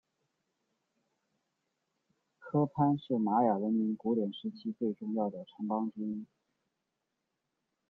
科潘是玛雅文明古典时期最重要的城邦之一。